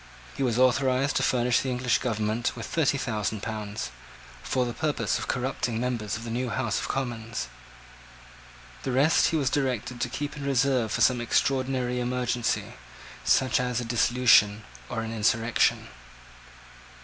He was authorised to furnish the English government with thirty thousand pounds, for the purpose of corrupting members of the New House of Commons. The rest he was directed to keep in reserve for some extraordinary emergency, such as a dissolution or an insurrection.